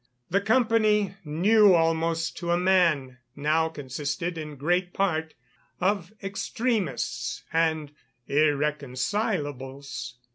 The company, new almost to a man, now consisted in great part of "extremists" and "irreconcilables."